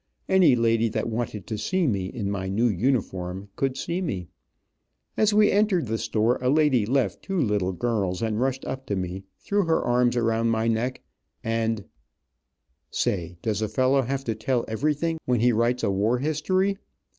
Any lady that wanted to see me, in my new uniform, could see me. As we entered the store a lady left two little girls and rushed up to me, threw her arms around my neck and (say, does a fellow have to tell everything, when he writes a war history?)